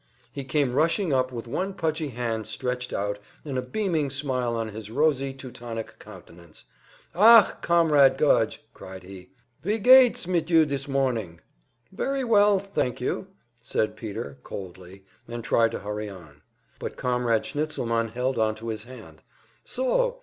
He came rushing up with one pudgy hand stretched out, and a beaming smile on his rosy Teutonic countenance. "Ach, Comrade Gudge!" cried he. "Wie geht's mit you dis morning?" "Very well, thank you," said Peter, coldly, and tried to hurry on. But Comrade Schnitzelmann held onto his hand. "So!